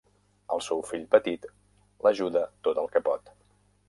El seu fill petit l'ajuda tot el que pot.